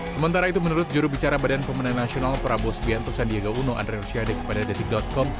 sementara itu menurut jurubicara badan pemenang nasional prabowo sbianto sandiaga uno andre rosiade kepada detik com